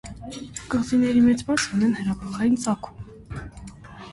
Կղզիների մեծ մասը ունեն հրաբխային ծագում։